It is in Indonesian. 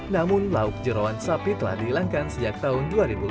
namun lauk jerawan sapi telah dihilangkan sejak tahun dua ribu lima